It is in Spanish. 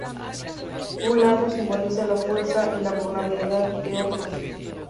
Un lado simboliza la fuerza y la vulnerabilidad de otros.